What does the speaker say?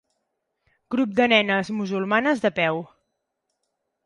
Grup de nenes musulmanes de peu.